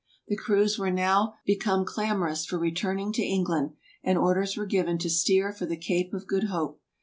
The crews were now become clamorous for return ing to England, and orders were given to steer for the Cape of Good Hope.